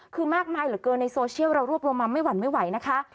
คือมากมายเหลือเกินในโซเชียลเรารวบรวมมาไม่หวั่นไม่ไหวนะคะ